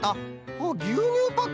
あっぎゅうにゅうパック。